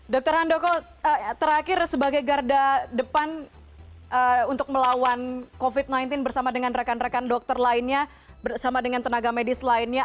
dr handoko terakhir sebagai garda depan untuk melawan covid sembilan belas bersama dengan rekan rekan dokter lainnya bersama dengan tenaga medis lainnya